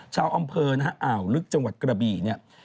ชาวอำเภออ่าวลึกจังหวัดกระบี